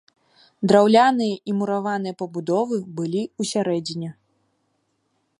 Драўляныя і мураваныя пабудовы былі ў сярэдзіне.